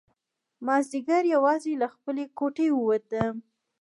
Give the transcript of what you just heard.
مازیګر یوازې له خپلې کوټې ووتم.